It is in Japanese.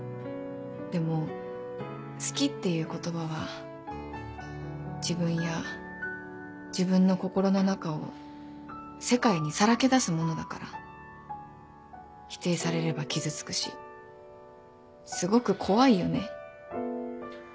でも「好き」っていう言葉は自分や自分の心の中を世界にさらけ出すものだから。否定されれば傷つくしすごく怖いよね。